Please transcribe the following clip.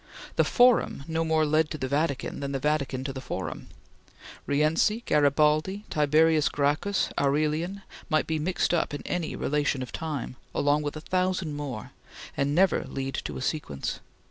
The Forum no more led to the Vatican than the Vatican to the Forum. Rienzi, Garibaldi, Tiberius Gracchus, Aurelian might be mixed up in any relation of time, along with a thousand more, and never lead to a sequence.